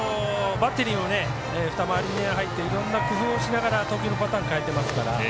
バッテリーも２回り目に入っていろんな工夫をしながら投球パターンを変えていますから。